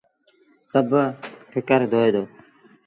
سڀ ٺڪر دوئي دو۔